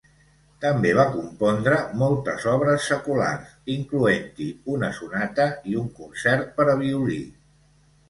També va compondre moltes obres seculars, incloent-hi una sonata i un concert per a violí.